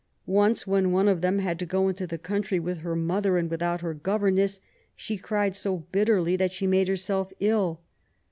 Once, when one of them had to go into the country with her mother and without her governess, she cried «o bitterly that she made herself ill.